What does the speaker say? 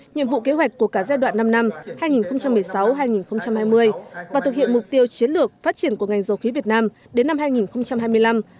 nhiệm vụ kế hoạch của cả giai đoạn năm năm hai nghìn một mươi sáu hai nghìn hai mươi và thực hiện mục tiêu chiến lược phát triển của ngành dầu khí việt nam đến năm hai nghìn hai mươi năm